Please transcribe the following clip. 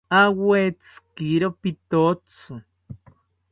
Awetzikiro pitotzi